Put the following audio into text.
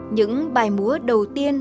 những bài múa đầu tiên